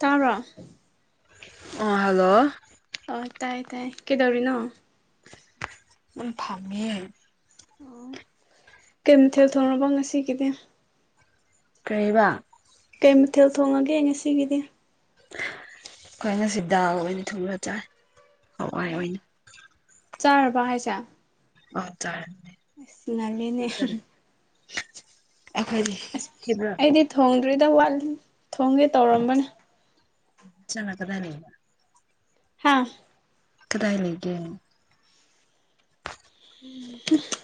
ꯇꯥꯕ꯭ꯔꯣ ꯑꫭ ꯍꯜꯂꯣ ꯑꯣ ꯇꯥꯏ ꯇꯥꯏ ꯀꯩꯗꯧꯔꯤꯅꯣ ꯑꯗꯨꯝ ꯐꯝꯃꯦꯌꯦ ꯑꯣ ꯀꯩ ꯃꯊꯦꯜ ꯊꯣꯡꯔꯕ ꯉꯁꯤꯒꯤꯗꯤ꯫ ꯀꯔꯤꯕ ꯀꯩ ꯃꯊꯦꯜ ꯊꯣꯡꯉꯒꯦ ꯉꯁꯤꯒꯤꯗꯤ ꯑꯩꯈꯣꯏ ꯉꯁꯤ ꯗꯥꯜ ꯑꯣꯏꯅ ꯊꯣꯡꯉ ꯆꯥꯏ꯫ ꯍꯋꯥꯏ ꯎꯝ ꯑꯣꯏꯅ ꯆꯥꯔꯕ ꯍꯥꯏꯁꯦ ꯑꯣ ꯆꯥꯔꯝꯅꯦ ꯑꯁ ꯉꯜꯂꯤꯅꯦ [unintelligible] ꯑꯩꯈꯣꯏ ꯍꯤꯕ꯭ꯔ ꯑꯩꯗꯤ ꯊꯣꯡꯗ꯭ꯔꯤꯗ ꯋꯥꯠꯂꯤ ꯊꯣꯡꯒꯦ ꯇꯧꯔꯝꯕꯅꯦ ꯆꯪꯉ ꯀꯗꯥꯏ ꯂꯩꯔꯤꯕ ꯍꯥꯥ ꯀꯗꯥꯏ ꯂꯩꯒꯦ [unintelligible]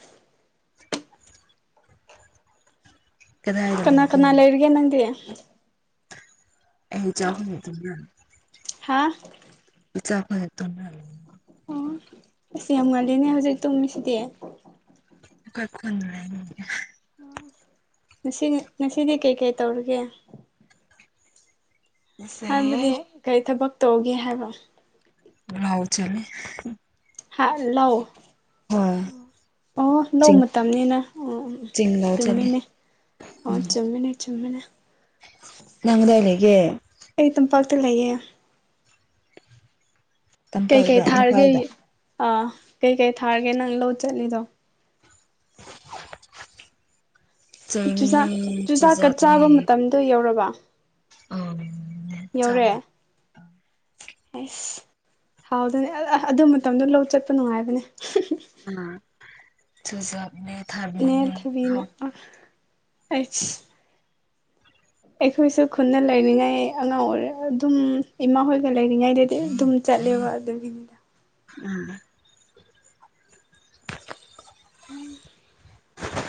ꯀꯗꯥꯏꯗ ꯀꯅꯥ ꯂꯩꯒꯦ ꯀꯅꯥ ꯂꯩꯔꯤꯒꯦ ꯅꯪꯗꯤ ꯑꯩ ꯏꯆꯥ ꯑꯍꯨꯝꯒ ꯇꯨꯝꯔ ꯍꯥꯥ ꯏꯆꯥ ꯑꯍꯨꯝꯒ ꯇꯨꯝꯔ ꯂꯩ ꯑꫭ ꯑꯁ ꯌꯥꯝ ꯉꯜꯂꯤꯅꯦ ꯍꯧꯖꯤꯛ ꯇꯨꯝꯃꯤꯁꯤꯗꯦ꯫ [unintelligible] ꯉꯁꯤꯉ ꯉꯁꯤꯗꯤ ꯀꯩꯀꯩ ꯇꯧꯔꯒꯦ ꯑꯩꯁꯦ ꯍꯥꯏꯕꯗꯤ ꯀꯔꯤ ꯊꯕꯛ ꯇꯧꯒꯦ ꯍꯥꯏꯕ ꯂꯥꯎ ꯆꯠꯂꯤ ꯍꯥ ꯂꯧ ꯍꯣꯏ ꯑꯣ ꯂꯧ ꯆꯤꯡ ꯃꯇꯝꯅꯤꯅ ꯑꯣ ꯑꫭ ꯎꯝ ꯆꯤꯡ ꯂꯧ ꯆꯠꯂꯦ ꯆꯨꯝꯃꯤꯅꯦ ꯑꯣ ꯎꯝ ꯆꯨꯝꯃꯦꯅꯦ ꯆꯨꯝꯃꯦꯅꯦ ꯅꯪ ꯀꯗꯥꯏ ꯂꯩꯒꯦ ꯑꯩ ꯇꯝꯄꯥꯛꯇ ꯂꯩꯌꯦ ꯀꯩꯀꯩ ꯇꯝꯄꯥꯛꯇ ꯊꯥꯔꯒꯦ ꯏꯝꯐꯥꯜꯗ ꯑꯥ ꯀꯩꯀꯩ ꯊꯥꯔꯒꯦ ꯅꯪ ꯂꯧꯣ ꯆꯠꯂꯤꯗꯣ ꯆꯅꯤ ꯆꯨꯖꯥꯛꯅꯤ ꯑꯗꯨ ꯌꯧꯔꯕ ꯎꯝ ꯌꯧꯔꯦ ꯑꯦꯁ ꯍꯥꯎꯗꯅꯦ ꯑꯗꯨ ꯃꯇꯝꯗꯣ ꯂꯧ ꯆꯠꯄ ꯅꯨꯡꯉꯥꯏꯕꯅꯦ ꯑ ꯆꯨꯖꯛ ꯏꯅꯦꯊꫭꯏꯕꯤꯅ ꯑꯥ ꯍꯩꯁ ꯑꯩꯈꯣꯏꯁꯨ ꯈꯨꯟꯗ ꯂꯩꯔꯤꯉꯩ ꯑꯉꯥꯡ ꯑꯣꯏꯔ ꯑꯗꯨꯝ ꯏꯃꯥ ꯍꯣꯏꯒ ꯂꯩꯔꯤꯉꯩꯗꯗꯤ ꯑꯗꯨꯝ ꯆꯠꯂꯦꯕ ꯑꯗꯨꯒꯤ ꯎꯝ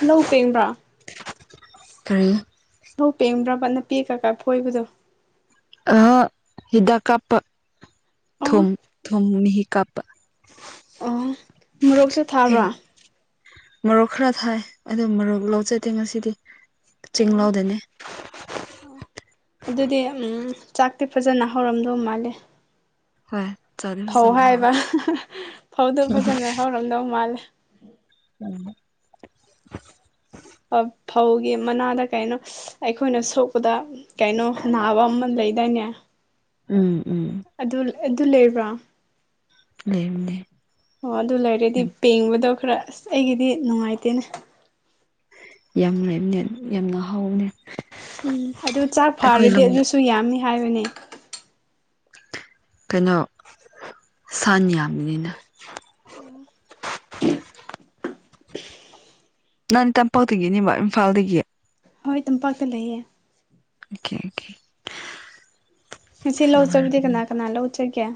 ꯂꯧ ꯄꯦꯡꯕꯥꯔꯥ ꯀꯔꯤ ꯂꯧ ꯄꯦꯡꯕ꯭ꯔꯥꯕ ꯅꯄꯤ ꯈꯔꯒ ꯈꯔꯒ ꯐꯣꯏꯕꯗꯣ ꯑ ꯍꯤꯗꯥꯛ ꯀꯥꯄ ꯑꯣ ꯊꯨꯝ ꯊꯨꯝ ꯃꯤꯍꯤ ꯀꯥꯞꯄꯥ ꯑꯣ ꯃꯣꯔꯣꯛꯁꯨ ꯊꯥꯕ꯭ꯔꯥ ꯃꯔꯣꯔꯣꯛ ꯈꯔ ꯊꯥꯏ ꯑꯗꯨ ꯃꯔꯣꯛ ꯂꯧꯆꯠꯇ‌ꯦ ꯉꯁꯤꯗꯤ ꯆ‌ꯦꯡ ꯑꯣ ꯂꯧꯗ‌ꯦꯅꯤ ꯑꯗꯨꯗꯤ ꯎꯝ ꯆꯥꯛꯇꯤ ꯐꯖꯅ ꯍꯧꯔꯝꯗꯧ ꯃꯥꯜꯂꯦ ꯍꯣꯏ ꯆꯥꯗꯤ ꯐꯧ ꯐꯖꯅ ꯍꯥꯎ ꯍꯥꯏꯕ ꯐꯧꯗꯣ ꯐꯖꯅ ꯍꯧꯔꯝꯗꯧ ꯃꯥꯜꯂꯦ ꯎꯝ [unintelligible] ꯐꯧꯒꯤ ꯃꯅꯥꯗ ꯀꯩꯅꯣ ꯑꯩꯈꯣꯏꯅ ꯁꯣꯛꯄꯗ ꯀꯩꯅꯣ ꯅꯥꯕ ꯑꯃ ꯂꯩꯗꯥꯏꯅꯦ ꯎꯝ ꯎꯝ ꯑꯗꯨ ꯑꯗꯨ ꯂꯩꯕ꯭ꯔꯥ ꯂꯩꯕꯅꯦ ꯑꯣ ꯑꯗꯨ ꯂꯩꯔꯗꯤ ꯄꯦꯡꯕꯗꯣ ꯈꯔ ꯑꯁ ꯑꯩꯒꯤꯗꯤ ꯅꯨꯡꯉꯥꯏꯇꯦꯅꯦ ꯌꯥꯝ ꯂꯩꯥꯕꯅꯦ ꯌꯥꯝꯅ ꯍꯥꯎꯕꯅꯦ ꯎꯝ ꯑꯗꯨ ꯆꯥꯛ ꯑꯩꯈꯣꯏ ꯐꯥꯔꯗꯤ ꯂꯝꯗ ꯑꯗꯨꯁꯨ ꯌꯥꯝꯅꯤ ꯍꯥꯏꯕꯅꯦ ꯀꯩꯅꯣ ꯁꯟ ꯌꯥꯝꯕꯅꯤꯅ ꯅꯪ ꯇꯝꯄꯥꯛꯇꯒꯤꯅꯦꯕ ꯏꯝꯐꯥꯜꯗꯒꯤ ꯍꯣꯏ ꯇꯝꯄꯥꯛꯇ ꯂꯩꯌꯦ ꯑꯣꯀꯦ ꯑꯣꯀꯦ [unintelligible] ꯉꯁꯤ ꯂꯧ ꯆꯠꯄꯗꯤ ꯅꯨꯡꯉꯥꯏꯔꯝꯅꯤ ꯀꯅꯥ ꯀꯅꯥ ꯂꯧ ꯆꯠꯀ‌ꯦ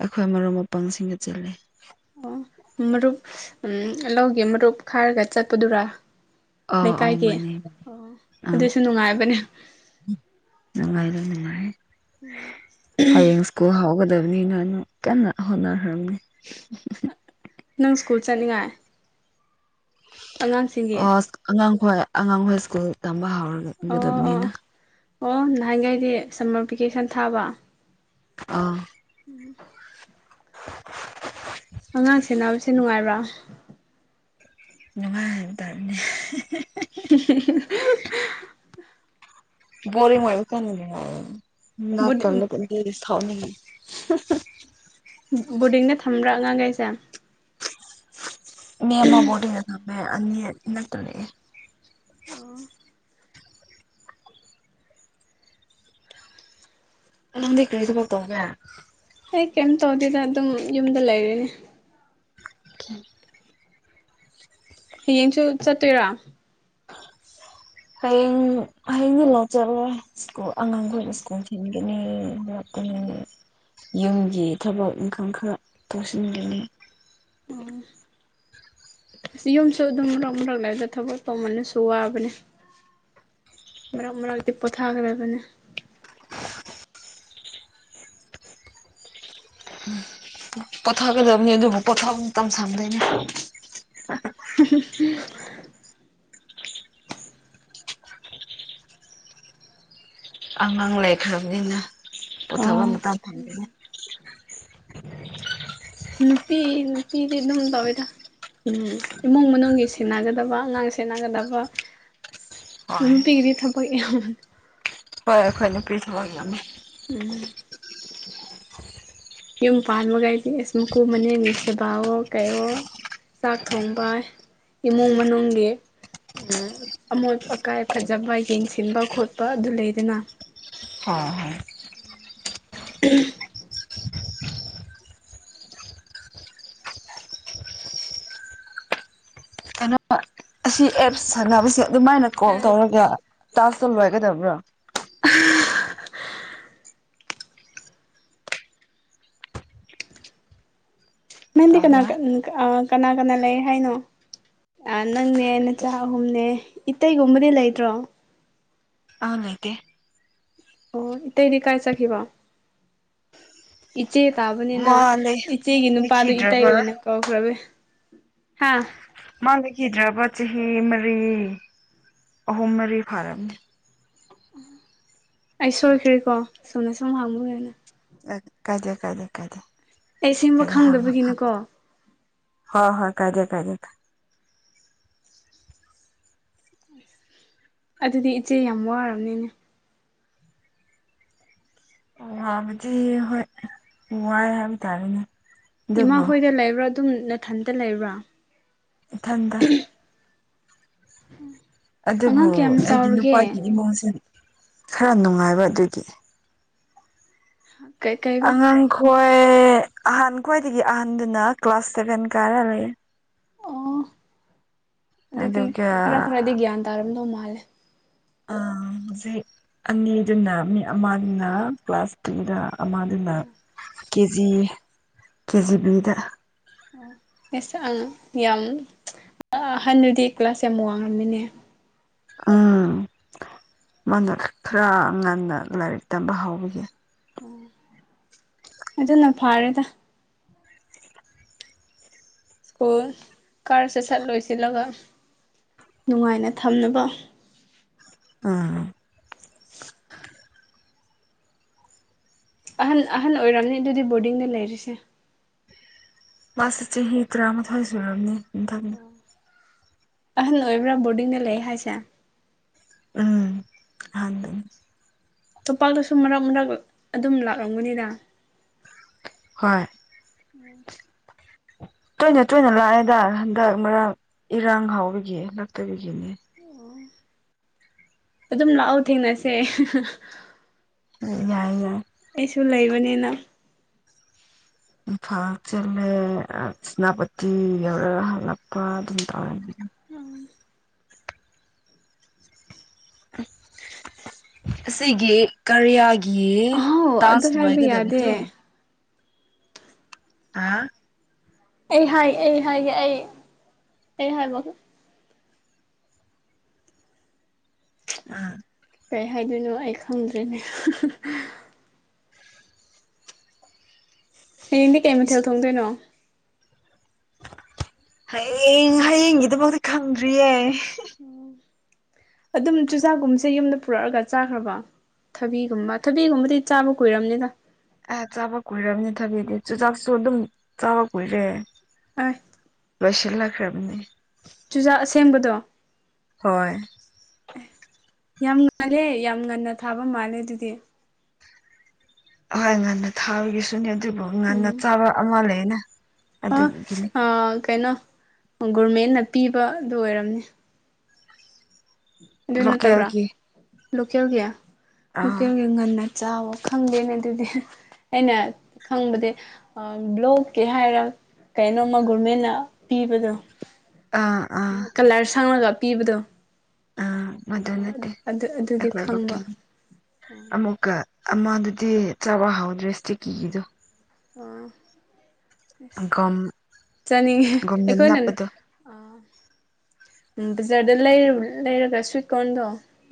ꯑꯩꯈꯣꯏ ꯃꯔꯨꯞ ꯃꯄꯥꯡꯁꯤꯡꯒ ꯆꯠꯂꯤ ꯑꯣ ꯃꯔꯨꯞ ꯂꯧꯒꯤ ꯃꯔꯨꯞ ꯈꯥꯏꯔꯒ ꯆꯠꯄꯗꯨꯔꯥ ꯑꯥꯎ ꯑꯥꯎ ꯂꯩꯀꯥꯏꯒꯤ ꯃꯥꯅꯦ ꯑꯣ ꯑꯥ ꯑꯗꯨꯁꯨ ꯅꯨꯡꯉꯥꯏꯕꯅꯦ ꯅꯨꯡꯉꯥꯏꯔꯦ ꯅꯨꯡꯉꯥꯏꯌ‌ꯦ ꯍꯌꯦꯡ ꯁ꯭ꯀꯨꯜ ꯍꯥꯎꯒꯗ ꯕꯅꯤꯅꯅ [unintelligible] ꯀꯟꯅ ꯍꯣꯠꯅꯈ꯭ꯔꯕꯅꯤ ꯅꯪ ꯁ꯭ꯀꯨꯜ ꯆꯠꯅꯤꯡꯉꯥꯏ ꯑꯉꯥꯡ ꯑꯁ ꯑꯉꯥꯡꯈꯣꯏ ꯑꯉꯥꯡꯈꯣꯏ ꯁ꯭ꯀꯨꯜ ꯇꯝꯕ ꯍꯧꯔ ꯑꯣ ꯑꯣ ꯑꯣ ꯅꯍꯥꯟꯈꯩꯗꯤ ꯁꯝꯃꯔ ꯚꯦꯀꯦꯁꯟ ꯊꯥꯕ ꯑꯥ ꯎꯝ [inaudible] [unintelligible] ꯑꯉꯥꯡ ꯁꯦꯅꯕꯁꯦ ꯅꯨꯡꯉꯥꯏꯕ꯭ꯔꯥ ꯅꯨꯡꯉꯥꯏ ꯍꯥꯏ ꯇꯥꯕꯅꯦ ꯍꯝꯃ ꯍꯝꯃ [unintelligible] ꯕꯣꯔꯤꯡ ꯑꯣꯏ [unintelligible] ꯌꯨꯝ ꯊꯣꯛꯅꯤꯡꯉꯦ [unintelligible] ꯕꯣꯔꯗꯤꯡꯗ ꯊꯥꯝꯕ꯭ꯔꯥ ꯑꯉꯥꯡ ꯒꯩꯁꯦ ꯃꯤ ꯑꯃꯃ ꯕꯣꯔꯗꯤꯡꯗ ꯊꯝꯃꯦ ꯑꯅꯤ ꯏꯅꯥꯛꯇ ꯂꯩꯌ‌ꯦ ꯑꯣ ꯅꯪꯗꯤ ꯀꯔꯤ ꯊꯕꯛ ꯇꯧꯒꯦ ꯑꯩ ꯀꯩꯝ ꯇꯧꯗꯦꯗ ꯑꯗꯨꯝ ꯌꯨꯝꯗ ꯂꯩꯔꯤꯅꯦ ꯑꯣ [unintelligible] ꯍꯌꯦꯡꯁꯨ ꯆꯠꯇꯣꯏꯔꯥ ꯍꯌꯦꯡ ꯍꯌꯦꯡꯗꯤ ꯂꯧꯆꯠꯂꯣꯏ ꯁ꯭ꯀꯨꯜ ꯑꯉꯥꯡꯈꯣꯏ ꯁ꯭ꯀꯨꯜ ꯊꯤꯟꯒꯅꯤ [unintelligible] ꯌꯨꯝꯒꯤ ꯊꯕꯛ ꯏꯪꯈꯥꯡ ꯈꯔ ꯇꯧꯁꯤꯟꯒꯅꯤ ꯎꯝ ꯌꯨꯝꯁꯨ ꯑꯗꯨꯝ ꯃꯔꯛ ꯃꯔꯛ ꯂꯩꯗ ꯊꯕꯛ ꯇꯧꯃꯜꯂꯁꯨ ꯋꯥꯕꯅꯦ ꯃꯔꯛ ꯃꯔꯛꯇꯤ ꯄꯣꯊꯥꯒꯗꯕꯅꯦ ꯄꯣꯊꯛꯒꯗꯕꯅꯤ ꯑꯗꯨꯕꯨ ꯄꯣꯊꯥꯕ ꯃꯇꯝ ꯁꯪꯗꯦꯅꯦ ꯍꯨꯝ ꯍꯨ ꯑꯉꯥꯡ ꯂꯩꯈ꯭ꯔꯕꯅꯤꯅ ꯄꯣꯊꯥꯕ ꯑꯣ ꯃꯇꯝ ꯐꯪꯗꯦ ꯅꯨꯄꯤ ꯅꯨꯄꯤꯗꯤ ꯑꯗꯨꯝ ꯇꯧꯋꯦꯗ ꯎꯝ ꯏꯃꯨꯡ ꯃꯅꯨꯡꯒꯤ ꯁꯦꯟꯅꯒꯗꯕ ꯑꯉꯥꯡ ꯁꯦꯟꯅꯒꯗꯕ ꯑꯁ ꯍꯣꯏ ꯅꯨꯄꯤꯒꯤꯗꯤ ꯊꯕꯛ ꯌꯥꯝ ꯍꯣꯏ ꯑꯩꯈꯣꯏ ꯅꯨꯄꯤ ꯊꯕꯛ ꯌꯥꯝꯃ‌ꯦ ꯌꯨꯝ ꯄꯥꯟꯕꯒꯥꯏꯗꯤ ꯏꯁ ꯃꯨꯀꯨ ꯃꯅꯦꯝ ꯒꯤ ꯁꯦꯕꯥꯋꯣ ꯀꯩꯋꯣ ꯆꯥꯛ ꯊꯣꯡꯕ ꯏꯃꯨꯡ ꯃꯅꯨꯡꯒꯤ ꯑꯝ ꯑꯃꯣꯠ ꯑꯀꯥꯏ ꯐꯖꯕ ꯌꯦꯡꯁꯤꯟꯕ ꯈꯣꯠꯄ ꯑꯗꯨ ꯂꯩꯗꯅ [inaudible] [unintelligible] ꯀꯩꯅꯣꯄ ꯑꯁꯤ ꯑꯦꯞ ꯁꯥꯟꯅꯕꯁꯦ ꯑꯗꯨꯃꯥꯏꯅ ꯀꯣꯜ ꯇꯧꯔꯒ ꯇꯥꯛꯁ ꯂꯣꯏꯒꯗꯕ꯭ꯔꯣ ꯅꯪꯗꯤ ꯀꯅꯥ ꯇꯥꯕ꯭ꯔꯥ ꯀ ꯑ ꯀꯅꯥ ꯀꯅꯥ ꯂꯩꯌꯦ ꯍꯥꯏꯅꯣ ꯅꯪꯅꯦ ꯅꯆꯥ ꯑꯍꯨꯝꯅꯦ ꯏꯇꯩꯒꯨꯝꯕꯗꯤ ꯂꯩꯇꯔꯣ ꯑꯝ ꯂꯩꯇ‌ꯦ ꯑꯣ ꯏꯇꯩꯗꯤ ꯀꯥꯏ ꯆꯈꯤꯕꯣ ꯏꯆꯦ ꯇꯥꯕꯅꯤꯅ ꯃꯥ ꯂꯩ ꯏꯆꯦꯒꯤ ꯅꯨꯄꯥꯗꯨ ꯏꯇꯩ ꯂꯩꯈꯤꯗ꯭ꯔꯕ ꯑꯣꯏꯅ ꯀꯧꯈꯔꯕꯤ ꯍꯥ ꯃꯥꯡꯀꯤꯗ꯭ꯔꯕ ꯆꯍꯤ ꯃꯔꯤ ꯑꯍꯨꯝ ꯃꯔꯤ ꯐꯥꯔꯝꯅꯤ ꯑꯩ ꯁꯣꯏꯈ꯭ꯔꯦꯀꯣ ꯆꯨꯝꯅ ꯁꯨꯝ ꯍꯪꯕꯅꯦ ꯑꯁ ꯀꯥꯏꯗꯦꯗ [unintelligible] ꯑꯩ ꯁꯦꯝꯕ ꯈꯪꯗꯕꯒꯤꯅꯤꯀꯣ ꯍꯣꯏ ꯍꯣꯏ ꯀꯥꯏꯗ‌ꯦ ꯀꯥꯏꯗ‌ꯦꯗ ꯑꯗꯨꯗꯤ ꯏꯆꯦ ꯌꯥꯝ ꯋꯥꯔꯝꯅꯤꯅꯦ ꯎ ꯍꯥꯅꯗꯤ ꯍꯣꯏ ꯋꯥꯏ ꯍꯥꯏꯕ ꯇꯥꯔꯦꯅꯦ ꯏꯃꯥ ꯑꯗꯨꯕꯨ ꯍꯣꯏꯗ ꯂꯩꯕ꯭ꯔꯥ ꯑꯗꯨꯝ ꯅꯥꯊꯟꯇ ꯂꯩꯕ꯭ꯔꯥ ꯏꯊꯟꯗ [inaudible] ꯑꯗꯨꯕꯨ ꯀꯌꯥꯝ ꯑꯩꯒꯤ ꯆꯥꯎꯔꯒꯦ ꯅꯨꯄꯥꯒꯤ ꯏꯃꯨꯡꯁꯦ ꯈꯔ ꯅꯨꯡꯉꯥꯏꯕ ꯑꯗꯨꯒꯤ ꯀꯩ ꯀꯩ ꯑꯉꯥꯡꯈꯣꯏ ꯑꯍꯥꯟ ꯈ꯭ꯋꯥꯏꯗꯒꯤ ꯑꯍꯟꯗꯨꯅ ꯀ꯭ꯂꯥꯁ ꯁꯦꯚꯦꯟ ꯀꯥꯔ ꯂꯩꯌꯦ ꯑꯣ ꯑꯗꯨꯗꯤ ꯑꯗꯨꯒ ꯈꯔ ꯈꯔꯗꯤ ꯒ꯭ꯌꯥꯟ ꯇꯥꯔꯝꯗꯧ ꯃꯥꯜꯂꯦ ꯍꯧꯖꯤꯛ ꯑꯅꯤꯗꯨꯅ ꯃꯤ ꯑꯃꯗꯨꯅ ꯀ꯭ꯂꯥꯁ ꯑꯗꯨꯗ ꯑꯃꯗꯨꯅ ꯀꯦꯖꯤ ꯀꯦꯖꯤ ꯗ [inaudible] ꯑꯦꯁ ꯑꯪ ꯌꯥꯝ ꯑꯍꯟꯗꯨꯗꯤ ꯀ꯭ꯂꯥꯁ ꯌꯥꯝ ꯋꯥꯡꯂꯝꯃꯤꯅꯦ ꯎꯝ ꯃꯥꯅ ꯈ꯭ꯔꯥ ꯉꯟꯅ ꯂꯥꯏꯔꯤꯛ ꯇꯝꯕ ꯍꯧꯕꯒꯤ ꯑꯝ ꯑꯗꯨꯅ ꯐꯥꯔꯦꯗ ꯁ꯭ꯀꯨꯜ ꯀꯥꯔꯁꯦ ꯁꯠ ꯂꯣꯏꯁꯤꯜꯂꯒ ꯅꯨꯡꯉꯥꯏꯅ ꯊꯝꯅꯕ ꯑꯥ ꯑꯍꯟ ꯑꯍꯜ ꯑꯣꯏꯔꯝꯅꯤ ꯑꯗꯨꯗꯤ ꯕꯣꯔꯗꯤꯡꯗ ꯂꯩꯔꯤꯁꯦ ꯃꯥꯁꯦ ꯆꯍꯤ ꯇꯔꯥꯃꯥꯊꯣꯏ ꯁꯨꯔꯕꯅꯤ ꯃꯊꯪꯪ ꯑꯍꯟ ꯑꯣꯏꯕ꯭ꯔꯥ ꯕꯣꯔꯗꯤꯡꯗ ꯂꯩ ꯍꯥꯏꯁꯦ ꯎꯝ ꯑꯍꯟꯗꯨꯅꯤ ꯇꯣꯄꯥꯛꯇꯁꯨ ꯃꯔꯛ ꯃꯔꯛ ꯑꯗꯨꯝ ꯂꯥꯛꯔꯝꯒꯅꯤꯗ ꯍꯣꯏ ꯇꯣꯏꯅ ꯇꯣꯏꯅ ꯂꯥꯛꯑꯦꯗ ꯍꯟꯗꯛ ꯃꯔꯥꯛ ꯏꯔꯥꯡ ꯍꯥꯎꯕꯒꯤ ꯂꯛꯇꯕꯒꯤꯅꯦ ꯑꯣ ꯑꯗꯨꯝ ꯂꯥꯛꯑꯣ ꯊꯦꯡꯅꯁꯦ ꯑꯝ ꯌꯥꯏ ꯌꯥꯏ ꯑꯩꯁꯨ ꯂꯩꯕꯅꯤꯅ ꯏꯝꯐꯥꯜ ꯆꯜꯂꯦ ꯁꯦꯅꯥꯄꯇꯤ ꯌꯧꯔꯒ ꯍꯜꯂꯛꯄ ꯑꯗꯨꯝ ꯇꯧꯔꯦ ꯎꯝ ꯑꯁꯤꯒꯤ ꯀꯔꯤꯌꯥꯒꯤ ꯑꯥꯎ ꯑꯗꯨ ꯇꯥꯁ ꯍꯥꯏꯕ ꯌꯥꯗꯦ ꯂꯣꯏꯒꯗꯕꯗꯣ ꯍꯥꯥ ꯑꯩ ꯍꯥꯏ ꯑꯩ ꯍꯥꯏꯒꯦ ꯑꯩ ꯑꯩ ꯍꯥꯏꯕ ꯑꯥ ꯀꯩ ꯍꯥꯏꯗꯣꯏꯅꯣ ꯑꯩ ꯈꯪꯗ꯭ꯔꯦꯅꯦ ꯍꯌꯦꯡꯗꯤ ꯀꯩ ꯃꯊꯦꯜ ꯊꯣꯡꯗꯣꯏꯅꯣ ꯍꯌꯦꯡ ꯍꯌꯦꯡꯒꯤꯗꯃꯛꯇꯤ ꯈꯪꯗ꯭ꯔꯤꯌꯦ ꯑꯗꯨꯝ ꯆꯨꯖꯥꯛꯀꯨꯝꯕꯁꯦ ꯌꯨꯝꯗ ꯄꯨꯔꯛꯑꯒ ꯆꯥꯈ꯭ꯔꯕ ꯊꯕꯤꯒꯨꯝꯕ ꯊꯕꯤꯒꯨꯝꯕꯗꯤ ꯆꯥꯕ ꯀꯨꯏꯔꯝꯅꯤꯗ ꯑꯦ ꯆꯥꯕ ꯀꯨꯏꯔꯕꯅꯦ ꯊꯕꯤꯗꯤ ꯆꯨꯖꯥꯛꯁꯨ ꯑꯗꯨꯝ ꯆꯥꯕ ꯀꯨꯏꯔꯦ ꯑꯥꯏ ꯂꯣꯏꯁꯤꯜꯂꯛꯈ꯭ꯔꯕꯅꯤ ꯆꯨꯖꯥꯛ ꯑꯁꯦꯡꯕꯗꯣ ꯍꯣꯏ ꯑꯦ ꯌꯥꯝ ꯉꯜꯂꯦ ꯌꯥꯝ ꯉꯟꯅ ꯊꯥꯕ ꯃꯥꯜꯂꯦ ꯑꯗꯨꯗꯤ ꯍꯣꯏ ꯉꯟꯅ ꯊꯥꯕꯒꯤꯁꯨꯅꯦ ꯑꯗꯨꯕꯨ ꯉꯟꯅ ꯎꯝ ꯆꯥꯕ ꯑꯃ ꯂꯩꯅ ꯑꯣ ꯑꯗꯨꯒꯤꯅꯤ ꯑꯣ ꯀꯩꯅꯣ ꯒꯣꯔꯃꯦꯟꯅ ꯄꯤꯕꯗꯨ ꯑꯣꯏꯔꯝꯅꯤ ꯑꯗꯨ ꯅꯠꯇꯕ꯭ꯔꯥ ꯂꯣꯀꯦꯜꯒꯤ ꯂꯣꯀꯦꯜꯒꯤ ꯑꯥ ꯂꯣꯀꯦꯜꯒꯤ ꯉꯟꯅ ꯆꯥꯎꯋ ꯈꯪꯗꯦꯅꯦ ꯑꯗꯨꯗꯤ ꯑꯩꯅ ꯈꯪꯕꯗꯤ ꯑ ꯕ꯭ꯂꯣꯛꯀꯦ ꯍꯥꯏꯔ ꯀꯩꯅꯣꯝꯃ ꯒꯣꯔꯃꯦꯟꯅ ꯄꯤꯕꯗꯣ ꯑꯥ ꯑꯥ ꯑꯗ ꯀꯂꯔ ꯁꯪꯪꯂꯒ ꯄꯤꯕꯗꯣ ꯑꯥ ꯃꯗꯨ ꯑ ꯅꯠꯇꯦ ꯑꯗꯨ ꯑꯗꯨꯗꯤ ꯈꯪꯕ ꯑꯦꯛꯂꯣꯀꯦꯅꯤ ꯑꯃꯨꯛꯀ ꯑꯃꯗꯨꯗꯤ ꯆꯥꯕ ꯍꯥꯎꯗ꯭ꯔꯦ ꯁꯇꯤꯀꯤꯒꯤꯗꯣ ꯑꯣ ꯑꯁ ꯒꯝ ꯆꯥꯅꯤꯡꯉꯦ ꯒꯝꯅ ꯑꯩꯈꯣꯏꯅ ꯅꯞꯄꯗꯣ ꯎꯝ ꯕꯖꯥꯔꯗ ꯂꯩ ꯂꯩꯔꯒ ꯁ꯭ꯋꯤꯠ ꯀꯣꯟꯗꯣ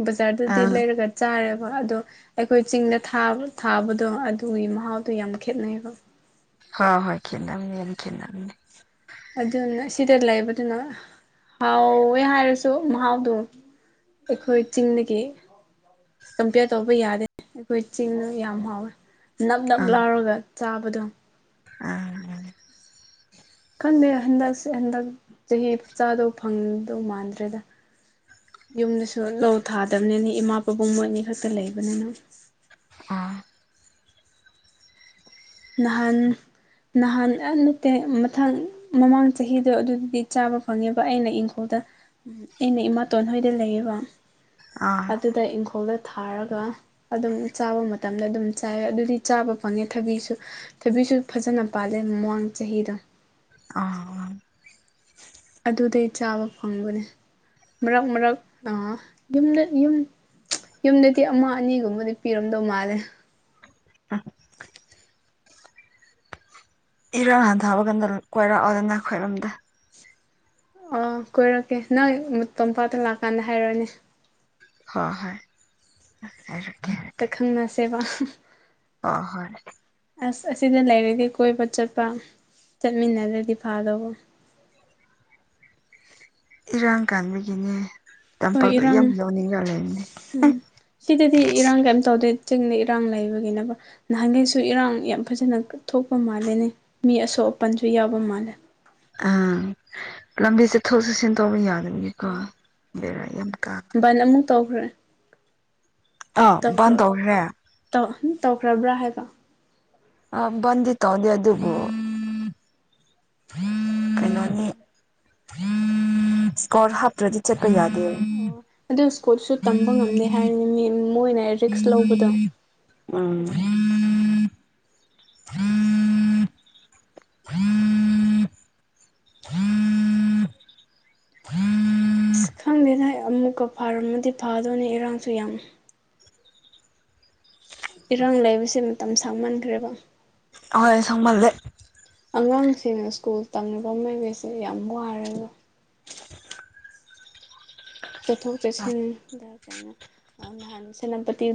ꯕꯖꯥꯔꯗꯗꯤ ꯑꯥ ꯂꯩꯔꯒ ꯆꯥꯔꯦꯕ ꯑꯗꯣ ꯑꯩꯈꯣꯏ ꯆꯤꯡꯗ ꯊꯥꯕ ꯊꯥꯕꯗꯣ ꯑꯗꯨꯒꯤ ꯃꯍꯥꯎꯗꯣ ꯌꯥꯝ ꯈꯦꯠꯅꯩꯕ ꯍ ꯍꯣꯏ ꯈꯦꯠꯅꯝꯅꯦ ꯌꯥꯝ ꯈꯦꯠꯅꯝꯅꯦ ꯑꯗꯨꯅ ꯁꯤꯗ ꯂꯩꯕꯗꯨꯅ ꯍꯥꯎꯋꯦ ꯍꯥꯏꯔꯁꯨ ꯃꯍꯥꯎꯗꯣ ꯑꯩꯈꯣꯏ ꯆꯤꯡꯗꯒꯤ ꯑꯁ ꯀꯝꯄꯤꯌꯔ ꯇꯧꯕ ꯌꯥꯗꯦ ꯑꯩꯈꯣꯏ ꯆꯤꯡꯗ ꯌꯥꯝ ꯍꯥꯎꯋꯦ ꯅꯞ ꯅꯞ ꯂꯥꯎꯔꯒ ꯆꯥꯕꯗꯣ ꯑꯥ ꯑꯥ ꯈꯟꯗꯦ ꯍꯟꯗꯛꯁꯦ ꯍꯟꯗꯛ ꯆꯍꯤ ꯆꯥꯗꯣ ꯐꯪꯗꯧ ꯃꯥꯟꯗ꯭ꯔꯦꯗ ꯌꯨꯝꯗꯁꯨ ꯂꯧ ꯊꯥꯗꯕꯅꯤꯅꯦ ꯏꯃꯥ ꯄꯥꯕꯨꯡ ꯃꯣꯏ ꯑꯅꯤ ꯈꯛꯇ ꯂꯩꯕꯅꯤꯅ ꯑꯥ ꯅꯍꯥꯟ ꯅꯍꯥꯟ ꯑꯦ ꯅꯠꯇꯦ ꯃꯊꯪ ꯃꯃꯥꯡ ꯆꯍꯤꯗꯣ ꯑꯗꯨꯗꯨꯗꯤ ꯆꯥꯕ ꯐꯪꯉꯦꯕ ꯑꯩꯅ ꯏꯪꯈꯣꯜꯗ ꯑꯩꯅ ꯏꯃꯥꯇꯣꯟꯍꯣꯏꯗ ꯂꯩꯌꯦꯕ ꯑꯥ ꯑꯗꯨꯗ ꯏꯪꯈꯣꯜꯗ ꯊꯥꯔꯒ ꯑꯗꯨꯝ ꯆꯥꯕ ꯃꯠ ꯃꯇꯝꯗ ꯑꯗꯨꯝ ꯆꯥꯏꯌꯦ ꯑꯗꯨꯗꯤ ꯆꯥꯕ ꯐꯪꯉꯦ ꯊꯕꯤꯁꯨ ꯊꯕꯤꯁꯨ ꯐꯖꯅ ꯄꯥꯜꯂꯦ ꯃꯃꯥꯡ ꯆꯍꯤꯗꯣ ꯑ ꯑꯗꯨꯗꯩ ꯆꯥꯕ ꯐꯪꯕꯅꯦ ꯃꯔꯛ ꯃꯔꯛ ꯑ ꯌꯨꯝꯗ ꯌꯨꯝ ꯌꯨꯝꯗꯗꯤ ꯑꯃ ꯑꯅꯤꯒꯨꯝꯕꯗꯤ ꯄꯤꯔꯝꯗꯧ ꯃꯥꯜꯂꯦ ꯑ ꯏꯔꯥꯡ ꯍꯟꯊꯕ ꯀꯥꯟꯗ ꯀꯣꯏꯔꯛꯑꫭꯗꯅ ꯑꯩꯈꯣꯏꯔꯣꯝꯗ ꯑ ꯀꯣꯏꯔꯛꯀꯦ ꯅꯪ ꯇꯝꯄꯥꯛꯇ ꯂꯥꯛꯀꯥꯟꯗ ꯍꯥꯏꯔꯣꯅꯦ ꯍꯣꯏ ꯍꯣꯏ ꯍꯥꯏꯔꯛꯀꯦ ꯇ ꯈꯪꯅꯁꯦꯕ ꯑ ꯍꯣꯏ ꯑꯁ ꯑꯁꯤꯗ ꯂꯩꯔꯗꯤ ꯀꯣꯏꯕ ꯆꯠꯄ ꯆꯠꯃꯤꯟꯅꯔꯗꯤ ꯐꯥꯗꯧꯕ ꯏꯔꯥꯡ ꯀꯟꯕꯒꯤꯅꯦ ꯍꯣꯏ ꯇꯝꯄꯥꯛꯇ ꯏꯔꯥꯡ ꯌꯥꯝ ꯌꯧꯅꯤꯡꯉ ꯂꯩꯕꯅꯦ ꯎꯝ ꯁꯤꯗꯗꯤ ꯏꯔꯥꯡ ꯀꯩꯝ ꯇꯧꯗꯦ ꯆꯤꯡꯗ ꯏꯔꯥꯡ ꯂꯩꯕꯒꯤꯅꯦꯕ ꯅꯍꯥꯟꯒꯩꯁꯨ ꯏꯔꯥꯡ ꯌꯥꯝ ꯐꯖꯅ ꯊꯣꯛꯄ ꯃꯥꯜꯂꯦꯅꯦ ꯃꯤ ꯑꯁꯣꯛ ꯑꯄꯟꯁꯨ ꯌꯥꯎꯕ ꯃꯥꯜꯂꯦ ꯑꯥ ꯂꯝꯕꯤ ꯆꯠꯊꯣꯛ ꯆꯠꯁꯤꯟ ꯇꯧꯕ ꯌꯥꯗꯕꯒꯤ ꯕꯥꯜ ꯑꯃꯨꯛ ꯇꯧꯈ꯭ꯔꯦ ꯇꯥꯎ ꯇꯧꯈ꯭ꯔꯣ ꯕꯟꯇꯧꯈ꯭ꯔꯦ ꯇꯧ ꯍꯝ ꯇꯧꯈ꯭ꯔꯕ꯭ꯔꯥ ꯍꯥꯏꯕ ꯑ ꯕꯟꯗꯤ ꯇꯧꯗꯦ ꯑꯗꯨꯕꯨ ꯀꯩꯅꯣꯅꯤ ꯏꯁꯀꯣꯔꯗ ꯍꯥꯞꯇ꯭ꯔꯗꯤ ꯆꯠꯄ ꯌꯥꯗꯦ ꯑꯣ ꯑꯗꯨ ꯁ꯭ꯀꯨꯜꯁꯨ ꯇꯝꯕ ꯉꯝꯗꯦ ꯍꯥꯏꯕꯅꯤ ꯃꯤ ꯃꯣꯏꯅ ꯔꯤꯛꯁ ꯂꯧꯕꯗꯣ ꯎꯝ ꯑꯁ ꯈꯪꯗꯦꯗ ꯑꯃꯨꯛꯀ ꯐꯔꯝꯃꯗꯤ ꯐꯥꯗꯣꯏꯅꯦ ꯏꯔꯥꯡꯁꯨ ꯌꯥꯝ ꯏꯔꯥꯡ ꯂꯩꯕꯁꯦ ꯃꯇꯝ ꯁꯥꯡꯃꯟꯈ꯭ꯔꯦꯕ ꯍꯣꯏ ꯁꯪꯃꯜꯂꯦ ꯑꯉꯥꯡꯁꯤꯡꯅ ꯁ꯭ꯀꯨꯜ ꯇꯝꯂꯤꯕ ꯃꯤꯒꯩꯁꯦ ꯌꯥꯝ ꯋꯥꯔꯦꯗ ꯆꯠꯊꯣꯛ ꯆꯠꯁꯤꯟꯗ ꯀꯩꯅꯣ ꯅꯍꯥꯟ ꯁꯦꯅꯥꯄꯇꯤ